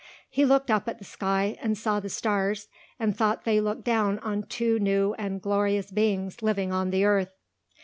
He looked up at the sky and saw the stars and thought they looked down on two new and glorious beings living on the earth.